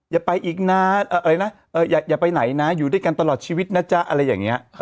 อย่าไปอีกนะอย่าไปไหนนะอยู่ด้วยกันตลอดชีวิตนะจ๊ะอะไรอย่างนี้